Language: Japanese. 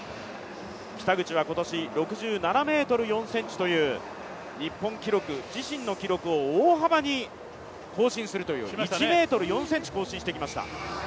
北口は今年、６７ｍ４ｃｍという自身の日本記録を大幅に更新するという１ｍ４ｃｍ、更新してきました。